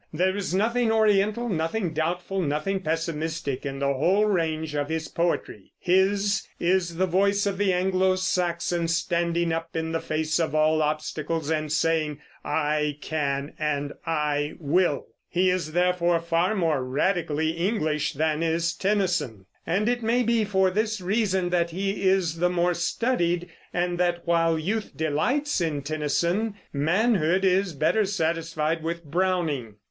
There is nothing Oriental, nothing doubtful, nothing pessimistic in the whole range of his poetry. His is the voice of the Anglo Saxon, standing up in the face of all obstacles and saying, "I can and I will." He is, therefore, far more radically English than is Tennyson; and it may be for this reason that he is the more studied, and that, while youth delights in Tennyson, manhood is better satisfied with Browning.